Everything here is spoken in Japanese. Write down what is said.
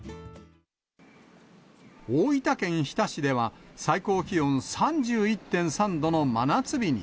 大分県日田市では、最高気温３１．３度の真夏日に。